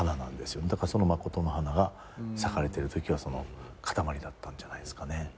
だからまことの花が咲かれてるときは塊だったんじゃないですかね。